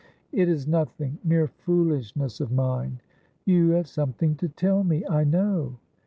' It is nothing ; mere foolishness of mine.' ' You have something to tell me, I know.'